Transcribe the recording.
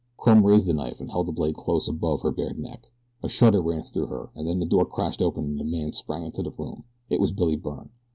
Crumb raised the knife and held the blade close above her bared neck. A shudder ran through her, and then the door crashed open and a man sprang into the room. It was Billy Byrne.